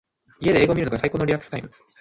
家で映画を観るのが最高のリラックスタイム。